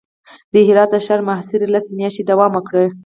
د هرات د ښار محاصرې لس میاشتې دوام وکړ.